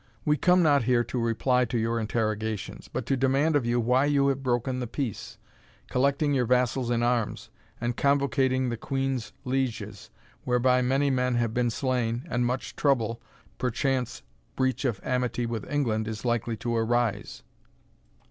We come not here to reply to your interrogations, but to demand of you why you have broken the peace, collecting your vassals in arms, and convocating the Queen's lieges, whereby many men have been slain, and much trouble, perchance breach of amity with England, is likely to arise?"